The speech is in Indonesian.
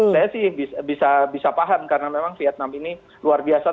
saya sih bisa paham karena memang vietnam ini luar biasa